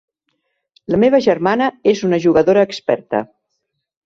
La meva germana és una jugadora experta.